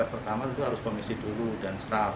pertama tentu harus komisi dulu dan staff